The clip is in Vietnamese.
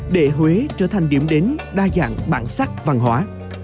để huế trở thành điểm đến đa dạng bản sắc văn hóa